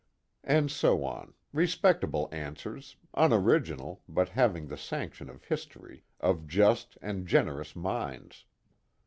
_ And so on respectable answers, unoriginal but having the sanction of history, of just and generous minds.